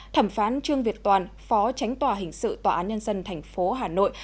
thẩm phán trương việt toàn phó tránh tòa hình sự tòa án nhân dân thành phố hà nội